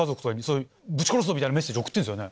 みたいなメッセージ送ってるんですよね。